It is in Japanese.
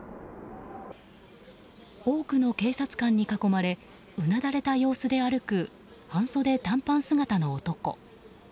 多くの警察官に囲まれうなだれた様子で歩く半袖・短パン姿の男。